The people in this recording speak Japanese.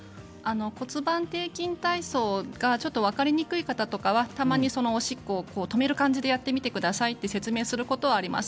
骨盤底筋体操はちょっと分かりにくい方とかはたまにおしっこを止める感じでやってみてくださいと説明することはあります。